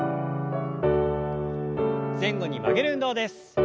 前後に曲げる運動です。